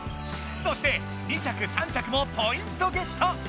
そして２着３着もポイントゲット。